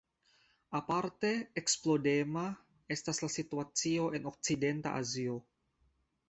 Aparte eksplodema estas la situacio en okcidenta Azio.